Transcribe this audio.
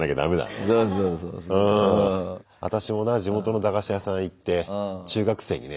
あたしもな地元の駄菓子屋さん行って中学生にね